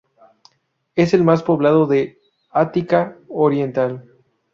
Es el más poblado de Ática Oriental.